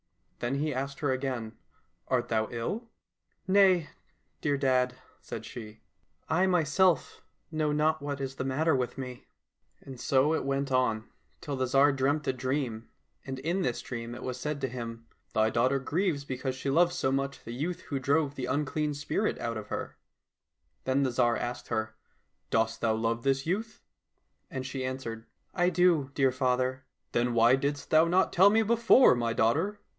Then he asked her again, " Art thou ill ?"—" Nay, dear dad," said she. " I myself know not what is the matter with me," 90 THEY WERE BOTH OX THEIR KNEES 90 THE VAMPIRE AND ST MICHAEL And so it went on, till the Tsar dreamt a dream, and in this dream it was said to him, " Thy daughter grieves because she loves so much the youth who drove the unclean spirit out of her." Then the Tsar asked her, " Dost thou love this youth ?"— And she answered, "I do, dear father." —" Then why didst thou not tell me before, my daughter